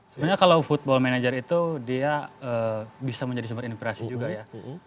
sebenarnya kalau football manager itu dia bisa menjadi sumber inspirasi juga ya